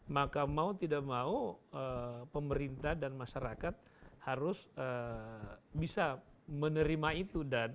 maka mau tidak mau pemerintah dan masyarakat harus bisa menerima itu